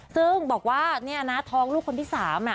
ซึ่งบอกว่าเนี่ยนะท้องลูกคนที่๓